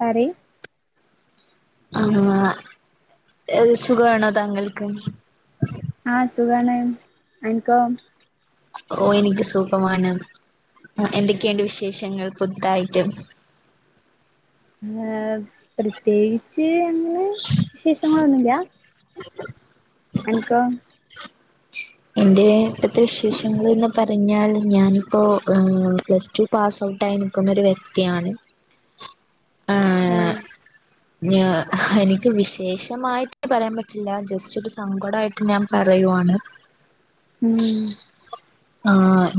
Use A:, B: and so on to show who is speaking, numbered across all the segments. A: പറി
B: ആ സുഖവാണോ താങ്കൾക്ക്
A: ആഹ്‌ സുഖാണ് അൻക്കോ
B: ഓ എനിക്ക് സൂഖമാണ് എന്തൊക്കെയണ്ട് വിശേഷങ്ങൾ പുതിതായിട്ട്
A: ഏ പ്രത്യേകിച്ച് അങ്ങനെ വിശേഷങ്ങളൊന്നുല്ല്യ എൻക്കോ?
B: എന്റെ ഇപ്പോഴത്തെ വിശേഷങ്ങന്ന് പറഞ്ഞാൽ ഞാനിപ്പോ പ്ലസ്ടു പാസ് ഔട്ടായി നിൽക്കുന്നൊരു വ്യക്തിയാണ് ആഹ്
A: ഏഹ്
B: ഞാ എനിക്ക് വിശേഷമായിട്ട് പറയാൻ പറ്റില്ല ജസ്റ്റ് ഒരു സങ്കടയിട്ട് ഞാൻ പറയുവയാണ് [unintelligible]
A: ഉം
B: ആ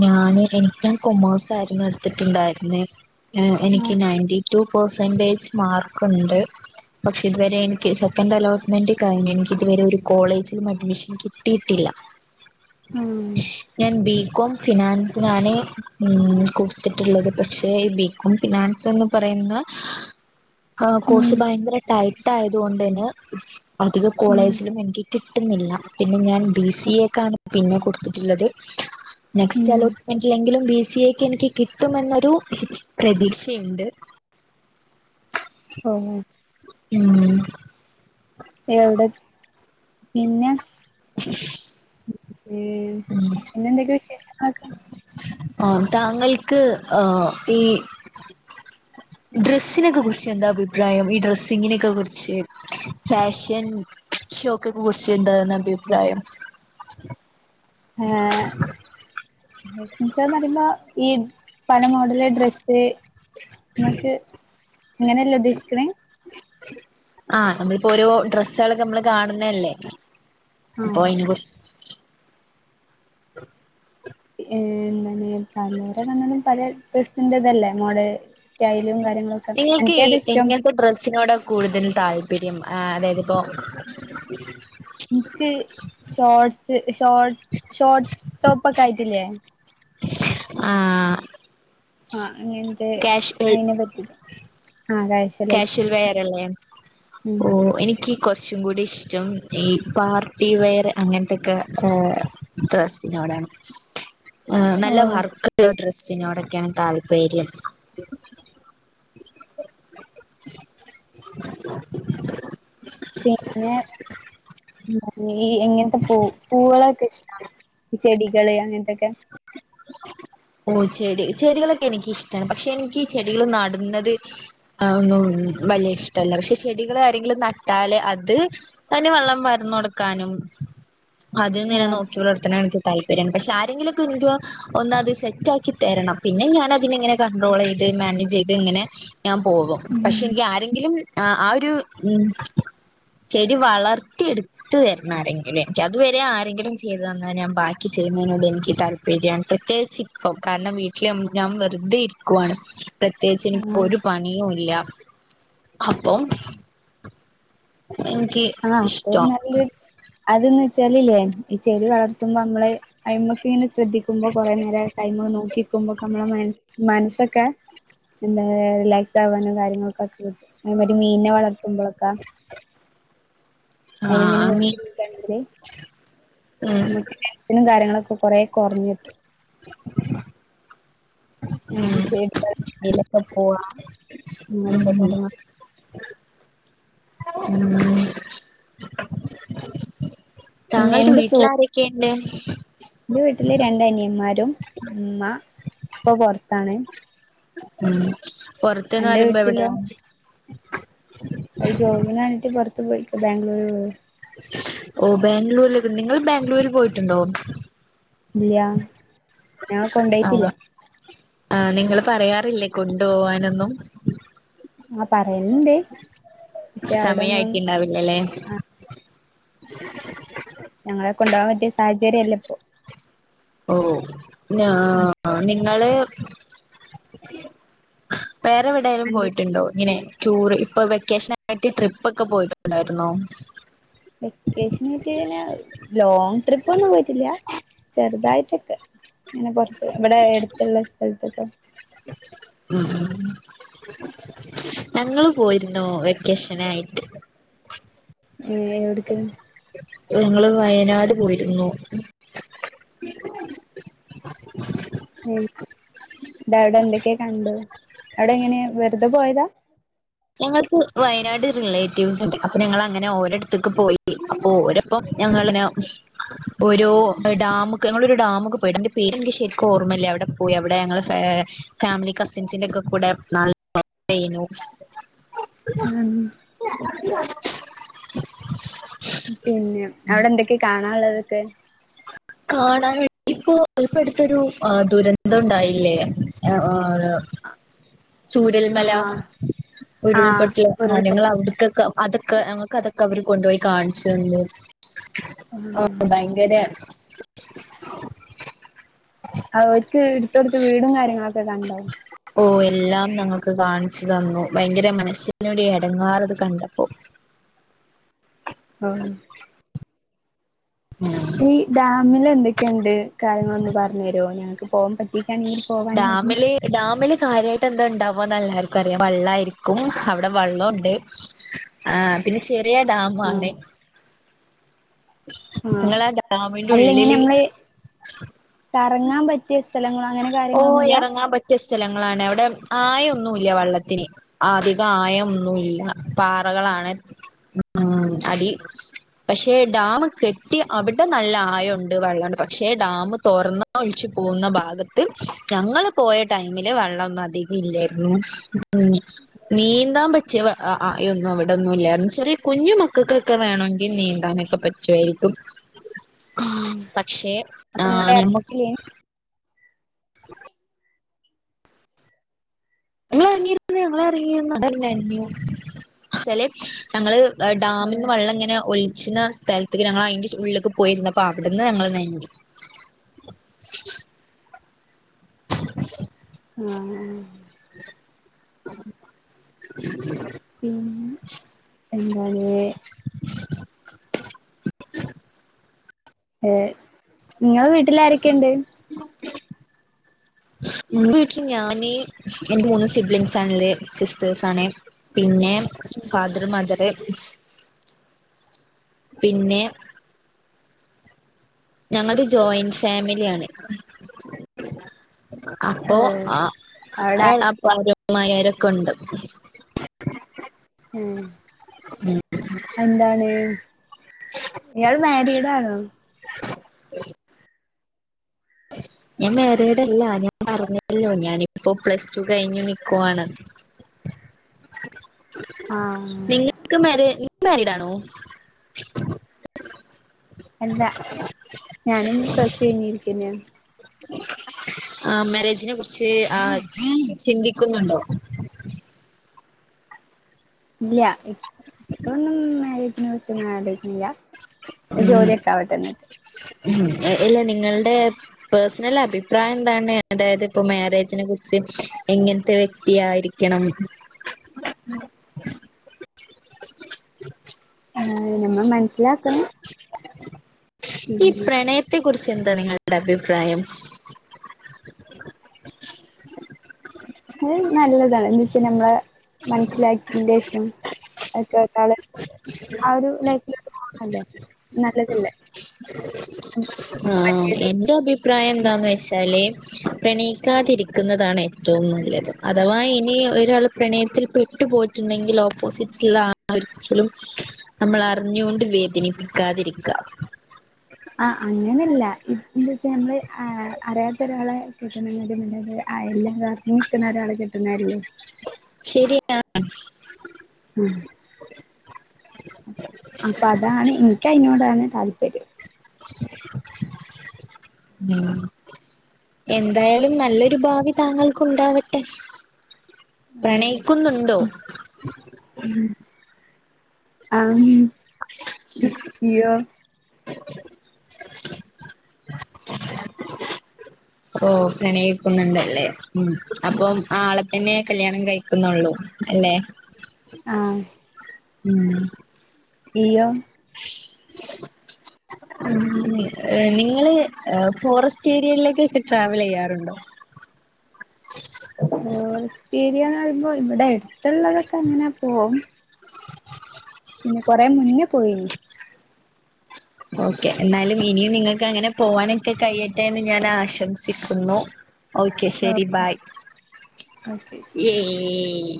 B: ഞാന് എനിക്ക് കൊമേഴ്സ് ആയിരുന്നു എടുത്തിട്ടുണ്ടായിരുന്നേ എനിക്ക്
A: ആഹ്
B: നയന്റി ടു പെർസെന്റേജ് മാർക്ക്ണ്ട് പക്ഷെ ഇതുവരെ എനിക്ക് സെക്കൻഡ് അലോട്ട്മെന്റ് കഴിഞ്ഞു എനിക്ക് ഇതുവരെ ഒരു കോളേജിലും അഡ്മിഷൻ കിട്ടിയിട്ടില്ല
A: ഉം
B: ഞാൻ ബികോം ഫിനാൻസിനാണ് കൊടുത്തിട്ടുള്ളത് പക്ഷേ ബി കോം ഫിനാൻസ് എന്ന് പറയുന്ന ആ
A: ഉം
B: കോഴ്സ് ഭയങ്കര ടൈറ്റ് ആയത് കൊണ്ട് തന്നെ അധിക
A: ഉം
B: കോളേജിലും എനിക്ക് കിട്ടുന്നില്ല പിന്നെ ഞാൻ ബി സി എക്കാണ് പിന്നെ കൊടുത്തിട്ടുള്ളത് നെക്സ്റ്റ്
A: ഉം
B: അലോട്ട്മെന്റിലെങ്കിലും ബി സി എക്ക് എനിക്ക് കിട്ടുമെന്നൊരു പ്രതീക്ഷയുണ്ട്
A: ഓ
B: ഉം
A: എവിടെ പിന്നെ
B: [inaudible]
A: ഇ പിന്നെന്തൊക്കെയാ വിശേഷങ്ങൾക്കെ
B: ആ താങ്കൾക്ക് ആ ഈ ഡ്രസ്സിനൊക്കെ കുറിച്ച് എന്താ അഭിപ്രായം ഈ ഡ്രസ്സിങ്ങിനൊക്കെ കുറിച്ച് ഫാഷൻ ഷോക്കക്കെ കുറിച്ച് എന്താെന്ന് അഭിപ്രായം
A: ഹന്ന് പറയുമ്പോ ഈ പല മോഡലില് ഡ്രസ്സ് മ്മക്ക് അങ്ങനെല്ല ഉദ്ദേശിക്കണേ
B: ആഹ നമ്മളിപ്പോ ഓരോ ഡ്രെസ്സകുകളൊക്കെ നമ്മള് കാണുന്നതല്ലേ അപ്പോ
A: ആഹ്
B: അയ്ന കൊറ്ച്ച്
A: ഏ എന്താണ് പലരെകണാലും പല ഡ്രസ്സ്ൻ്റതല്ലേ മോഡല്
B: നിങ്ങൾക്ക് ഇങ്ങനത്തെ ഡ്രസ്സിനോട് കൂടുതലും താല്പര്യം അതായതിപ്പോ
A: ഇൻക്ക് ഷോർട്സ് ഷോർ ഷോട്ട് ടോപ്പൊകായിട്ടില്ലേ
B: ആഹ്
A: ആഹ് അങ്ങനത്തെ
B: കാഷ്വൽ
A: അയിനേ പറ്റി [unintelligible]
B: ക്യാഷാൽ വെയറ് അല്ലാണ്
A: ഉം
B: ഓ എനി ക്ക് കൊറച്ചും കൂടി ഇഷ്ടം ഈ പാർട്ടി വെയറ് അങ്ങനത്തെക്ക്യ ഡ്രസ്സിനോടാണ് ആഹ് നല്ലാ
A: ഓഹ്
B: വർക്ക് ഒള്ളാ ഡ്രസ്സിനോടൊക്ക്യയാണ് താല്പര്യം [unintelligible]
A: പിന്നെ ഈ [unintelligible] ഇങ്ങാനത്തെ പൂ പൂവാളൊക്കെ ഇഷ്ടണാ ചെടികള് അങ്ങനത്തൊക്കെ
B: [unintelligible] ഓ ചെടി ചെടികളൊക്കെ എനിക്ക് ഇഷ്ടാണ് പശേ എനിക്ക് ഈ ചെടികള് നട്ന്നത് ആഹ് ഒന്നും വല്ല്യായ ഇഷ്ടല്ലാ പശേ ചെടികള് ആരാങ്കിലും നട്ടാലേ അത് അയ്ന് വെള്ളം പരന്ന് കൊട്ക്കാനും അത് ഇങ്ങനെ
A: ആഹ്
B: നോക്കി വളർത്താളാണ എനിക്ക് താല്പര്യം പശേ ആരാങ്കിലും [unintelligible] ഒന്ന് അത് സെറ്റക്കി തരണം പിന്നെ ഞാനേ ഇങ്ങനെ കണ്ട്രോള് ചെയ് മാനേജ് ചെയ്ത് ഇങ്ങനെ ഞാൻ പോകും
A: ഉം
B: പശേയെങ്കി ആരാങ്കിലും ആഹ് ഒരു ഉം ചെടി വളർത്തിയേട് എത്ത് തേരം ആരാങ്കിലും എനിക്ക് അത് വേരെ ആരെങ്കിലും ചെയ്തു തന്നാ ഞാൻ ബാക്കി ചെയ്യ്ന്നതിനോട് എനിക്ക് [unintelligible] പ്രതോകിച്ച് ഇപ്പാം കാരണം വീ ട്ടിലും ഞാൻ വെറുതെ ഇരിക്കുവയാണ് പ്രത്യേകിച്ച് എനിക്ക്
A: ആഹ്
B: ഒര് പണിയും ഇല്ല്യാ അപ്പോ എനിക്ക്
A: ആഹാ
B: ഇഷ്ടം
A: [unintelligible] അത് എന്ന് വെച്ചാല് ഈ ചെടി വളർത്ത്മ്പോ നമ്മളെ അ്മ [unintelligible] ശ്രദ്ധിക്ക്മ്പോ കൊററെ നേരം ടൈം നോക്കിനിക്കുമ്പാക്കൂം ഞമ്മാടേ മനസ്സൊക്കേ എന്തായ് റിലാക്സ് ആവാനോ കാര്യങ്ങളൊക്കെ ഒക്കെ പറ്റും [unintelligible] ഒര് മീനിനെ വളർത്ത്മ്പോളാക്കെ
B: ആ
A: അയ്ന ഇങ്ങനെ
B: ഉം
A: നോക്കി നിൽക്കാന്നെങ്കിൽ മ്മക്ക് നും കാര്യങ്ങളൊക്കെ കൊറെ കൊറഞ്ട്ടും
B: [inaudible] ഉം
A: [unintelligible] പ്പുവാ
B: ഉം ഉം
A: പിന്നെ
B: താങ്കൾടെ
A: എന്ത് ഫ്രൂ
B: വീട്ട്ല് ആരൊക്കെ ഇണ്ട്
A: എന്റെ വീട്ട്ല് രണ്ട് അനിയന്മാരും ഉമ്മാ ഉപ്പ പൊറത്താണ്
B: മ് പൊറത്ത്ന്ന്
A: അന്റെ
B: പറിബ എവടെയാ
A: വീട്ടിലോ? അയ് ജോബിന് വേണ്ടിട്ട് പോറത്ത് പോയ്ക്കാ ബാംഗ്ലൂരു
B: ഓ ബാംഗ്ലൂരിലൊക്ക നിങ്ങള് ബാംഗ്ലൂര് പോയിട്ട് ണ്ടോ
A: ഇല്ല്യാ
B: ആഹ് ആഹ് നിങ്ങള് പറയാറില്ലേ കൊണ്ട് പോവാനൊന്നും
A: ആഹ് പറയല്ണ്ട്
B: സമയായിട്ട് ഇണ്ടാവില്ലാ ല്ലേ
A: ഞങ്ങളേ കൊണ്ടൊവാ പറ്റേ സാഹചര്യ അല്ലാ ഇപ്പോ
B: ഓ ആഹ് നിങ്ങള് വേറെ എവിടെലും
A: അന്റെ
B: പോയിട്ട് ഇണ്ടോ ഇങ്ങനെ ടൂറ് ഇപ്പൊ വെക്കേഷന് ആയിട്ട് ട്രിപ്പ് ഒക്കെ പോയിട്ട് ഇണ്ടായിര്ന്നോ
A: വെക്കേഷന് ആയിട്ട് ങ്ങനെ ലോങ് ട്രിപ്പോന്നും പോയിട്ടില്ല ചെറുതായിട്ടൊക്കെ ഇങ്ങനെ പൊറത്ത് ഇവടെ എട്‌ത്ത്‌ള്ള സ്ഥലത്തൊക്കെ
B: [inaudible] ഞങ്ങള് പോയിര്ന്നു വെക്കേഷനായിട്ട്
A: ഏ എവ്ട്ക്ക്
B: ഞങ്ങള് വയനാട് പോയ്ര്ന്നു
A: ഉം അവടെ എന്തൊക്കെ കണ്ടു അവിടെ എങ്ങനെയാ വെറുത പോയതാ
B: ഞങ്ങൾക്ക് വയനാട് റിലേറ്റീവ്സ് ഇണ്ട് അപ്പൊ ഞങ്ങൾ അങ്ങനെ ഓരോട്ത്ത്ക്ക് പോയി അപ്പോ ഓരോ പ്പം [unintelligible] ഒരു ഡാമ്ക്ക് ഞങ്ങളൊരു ഡാ മ്ക്ക് പോയി ഐന്റെ പേര് എനിക്ക് ശരിക്ക് ഓർമ്മല്ല അവടെ പോയി അവിടെ ഞങ്ങള് ഫാ ഫാമിലി കസിൻസിന്റെ ഒക്കെ കൂടെ നല്ല [unintelligible]
A: [unintelligible]
B: [inaudible]
A: പിന്നെ അവടെ എന്തൊക്കെ കാണാള്ളതൊക്കെ
B: കാണാൻ ഇപ്പൊ ഇപ്പ അടുത്തൊരു ആ ദുരന്തം ണ്ടായില്ലേ ചൂരൽമല
A: ആഹ് ആഹ്
B: ഉരുൾപൊട്ടൽ ഞങ്ങൾ
A: ഉരുൾപൊട്ടൽ
B: അവ്ട്ക്കൊക്ക അതൊക്കെ ഞങ്ങൾക്ക് അതൊക്കെ അവര് കൊണ്ടൊയി കാണിച്ചന്നു
A: ഉം
B: ഭയ ങ്കര
A: ഓര്ക്ക് ഇട്തൊട്ത്തട വീടും കാര്യങ്ങളൊക്കെ കണ്ടോ
B: ഓ എല്ലാം ഞങ്ങക്ക് കാണിച്ച് തന്നു ഭയങ്കര മനസ്സിനൊര് എടങ്ങാറത് കണ്ടപ്പോ
A: ആഹ് ഈ ഡാമിൽ എന്തൊക്കെണ്ട് കാര്യങ്ങ ളൊന്ന് പറഞ്ഞേരേ ഞങ്ങക്ക് പോവാ പറ്റ [unintelligible]
B: ഡാമ്‌ല് ഡാമില് കാര്യയിട്ട് എന്താ ഇണ്ടാവാന്ന് എല്ലാർക്കും അറിയാം വള്ള ആരിക്കും അവടെ വള്ളുണ്ട് ആഹ് പിന്ന ചെറിയ ഡാമാണ്
A: ആഹ് ആഹ്
B: ഞങ്ങളാ ഡാമിന്റെ
A: അല്ല എങ്ങനെ
B: ഉള്ളില്
A: നമ്മള് കറങ്ങാ പ റ്റിയ സ്ഥലങ്ങളോ അങ്ങനെ കാര്യങ്ങളൊന്നുല്ല
B: പറ്റേ സ്ഥലങ്ങളാണ് അവടെ ആയ ഒന്നുല്ല വള്ളത്തിന് അധിക ആയംമൊന്നുമില്ല പാറകളാണ്. ആഹ്. അടി പക്ഷേ ഡാമ് കെട്ടി അവിടെ നല്ല ആയോണ്ട്. വെള്ളണ്ട്. പക്ഷേ ഡാം തൊറന്ന ഒല്ച്ച് പോകുന്ന ഭാഗത്ത് ഞങ്ങള് പോയ ടൈമില് വെള്ളം ഒന്നും അധികം ഇല്ലയിരുന്നു ഉം നീന്താൻ പ ച്ച് ആഹ് ആഹ് യൊന്നും അവിടോന്നും ഇല്ലായിരുന്നു. ചെറ്യാ കുഞ്ഞു മക്കൾക്കൊക്കെ വേണമെങ്കിൽ നീന്താനൊക്കെ പറ്റുവായിരിക്കും.
A: ഉം
B: പക്ഷെ
A: അപ്പൊ
B: ആ
A: നിങ്ങളെ
B: ഞമ്മ
A: ഇറക്കില്ലേ
B: ഇങ്ങള് എറങ്ങിടത്തന്നെ ഞങ്ങളും എറങ്ങ്യേന്നാല് [unintelligible] ച്ചാല് ഞങ്ങള് ഡാമിന്ന്
A: ആഹ്
B: വെള്ളംങ്ങന ഒല്ച്ച്ണ സ്ഥലത്ത്ക്ക് ഞങ്ങൾ അയിന്റെ ഉള്ളിക്ക് പോയിര്ന്നപ്പോ അവിടുന്ന് ഞങ്ങള് നെൻഞ്ഞു
A: ആഹ് ആഹ് പിന്നേ എന്താണ്? ഏഹ് ഇങ്ങളെ വീട്ടില് ആരൊക്കെയുണ്ട്?
B: ന്റെ വീട്ടില് ഞാന് എന്റെ മൂന്ന് സിബ്ലിങ്സ് ആണ്ള്ള്. സിസ്റ്റേഴ്സ് ആണ്. പിന്നെ ഫാദറ് മദറ് പിന്നെ ഞങ്ങത് ജോയിന്റ് ഫാമില്യാണ് അപ്പോ
A: ഓഹ്
B: ആഹ്
A: അവിടെ
B: ഏഹ് അവിര് അമ്മായ്യാരൊക്കുണ്ട്
A: ഏഹ് എന്താണ്? ഇയാള് മാരീഡാണോ?
B: ഞാൻ മേരീഡല്ല ഞാൻ പറഞ്ഞല്ലോ ഞാനിപ്പോ പ്ലസ് ടു കഴിഞ്ഞു നിക്കുവാണ്.
A: ആഹ്
B: നിങ്ങ്‌ക്ക് മാരി നിങ്ങള് മാരീഡ് ആണോ?
A: അല്ല ഞാനും പ്ലസ് ടു കഴിഞ്ഞിരിക്കന്നാണ്.
B: ആ മാരേജിനെ കുറിച്ച് ആ ചിന്തിക്കുന്നുണ്ടോ?
A: ഇല്ല ഇപ്പന്നും മേരേജിനെ കുറിച്ചോന്നും ആലോയ്ക്കുന്നില്ല
B: ഉം. ഉം. ഇല്ല നിങ്ങൾടെ പേഴ്സണൽ അഭിപ്രായം എന്താണ്? അതായത് ഇപ്പ മാരേജിനെ കുറിച്ച് എങ്ങനത്തെ വ്യക്തിയായിരി ക്കണം [unintelligible]
A: ആഹ് നമ്മളെ മനസ്സിലാക്കണം
B: ഈ
A: പിന്നെ
B: പ്രണയത്തെ കുറിച്ച് എന്താ നിങ്ങളുടെ അഭിപ്രായം?
A: അത് നല്ലതാണ് എന്ന്‌വെച്ചാ നമ്മളെ മനസ്സിലാക്കിന്റേഷം അത് കേട്ടാള് ആഹ് ഒര് നേക്കിലൊക്കെ പോണതല്ലേ? നല്ലതല്ലേ?
B: ആഹ് ആഹ്
A: മറ്റേത്
B: എന്റെ അഭി പ്രായ എന്താന്ന് വെച്ചാല് പ്രണയിക്കാതിരിക്കുന്നതാണ് ഏറ്റവും നല്ലത്. അഥവാ ഇനി ഒരാള് പ്രണയത്തിൽ പെട്ടു പോയിട്ടുണ്ടെങ്കിൽ ഓപ്പോസിറ്റ്ള്ള ആ ളെ ഒരിക്കലും നമ്മള് അറിഞ്ഞുകൊണ്ട് വേദനിപ്പിക്കാതിരിക്ക
A: ആഹ് അങ്ങനല്ല. ഇത് എന്ത് വെച്ചാ ഞമ്മള് ആഹ് അറിയാത്ത ഒരാളെ കെട്ടുന്നതിണേക്കാട്ടിം നല്ലതല്ലേ? അയ്ലെ [unintelligible] നിക്കുന്ന ഒരാളെ കെട്ടുന്നേ അല്ലേ?
B: ശരിനാ
A: ആഹ് അപ്പ അതാണ് എനിക്ക് അയിനോടാണ് താല്പര്യം.
B: ഉം എന്തായാലും നല്ലൊരു ഭാവി താങ്കൾക്ക് ഉണ്ടാവട്ടെ പ്രണയിക്കുന്നുണ്ടോ?
A: ഉം ആന്നോ ഇയോ
B: [unintelligible] ഓ പ്രണയിക്കുന്നുണ്ടല്ലേ മം അപ്പോ ആളെ തന്നെ കല്യാണം കഴിക്കുന്നുള്ളൂ അല്ലെ
A: ആഹ്
B: ഉം
A: ഇയോ
B: നിങ്ങള് ഹ് ഫോറസ്റ്റ് ഏരിയിലോക്ക് ട്രാവൽ ചെയ്യാറുണ്ടോ [unintelligible]
A: ഫോറസ്റ്റ് ഏരിയന്ന് പറയുമ്പോ ഇവിടെ അടുത്തുള്ളതൊക്കെ അങ്ങനെ പോവും പിന്നെ കൊറെ മുന്നേ പോയിന്
B: ഓക്കെ എന്നാലും ഇനിയും നിങ്ങൾക്ക് അങ്ങനെ പോകാനൊക്കെ കഴിയട്ടെ എന്ന് ഞാൻ ആശംസിക്കുന്നു ഓക്കെ
A: ഓ
B: ശരി ബായ്
A: ഓക്കെ ശരി.
B: ഏയ്